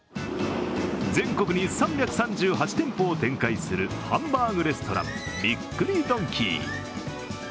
全国に３３８店舗を展開するハンバーグレストラン、びっくりドンキー。